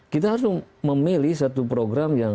kita harus memilih satu program yang